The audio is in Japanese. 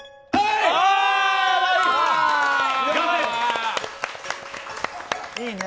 いいね。